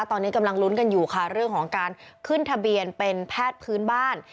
ตอนนี้กำลังลุ้นกันอยู่ค่ะเรื่องของการขึ้นทะเบียนเป็นแพทย์พื้นบ้าน